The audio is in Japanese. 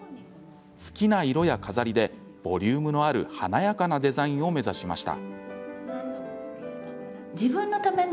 好きな色や飾りでボリュームのある華やかなデザインを目指しました。